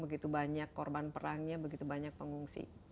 begitu banyak korban perangnya begitu banyak pengungsi